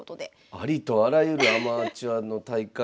ありとあらゆるアマチュアの大会に出て。